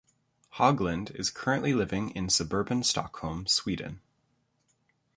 Haugland is currently living in suburban Stockholm, Sweden.